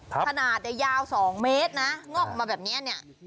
ขนาดยาว๒เมตรนะงอกออกมาแบบนี้เนี่ย